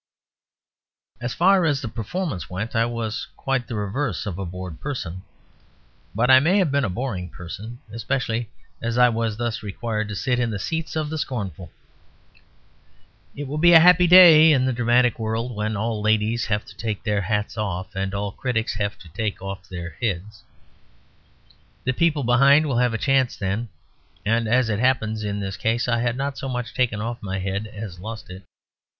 As far as the performance went I was quite the reverse of a bored person; but I may have been a boring person, especially as I was thus required to sit in the seats of the scornful. It will be a happy day in the dramatic world when all ladies have to take off their hats and all critics have to take off their heads. The people behind will have a chance then. And as it happens, in this case, I had not so much taken off my head as lost it.